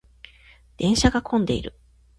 電車が混んでいる。